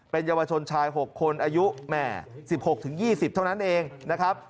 เป็นเยาวชนชาย๖คนอายุแม่๑๖๒๐เท่านั้นเองนะครับ